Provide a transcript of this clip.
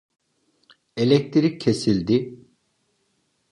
Elektrik kesildi.